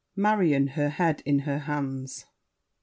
MARION (her head in her hands).